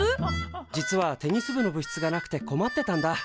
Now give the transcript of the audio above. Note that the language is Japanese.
実はテニス部の部室がなくて困ってたんだ。